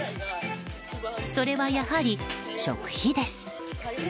それは、やはり食費です。